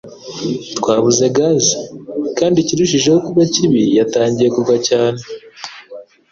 Twabuze gaze, kandi ikirushijeho kuba kibi, yatangiye kugwa cyane.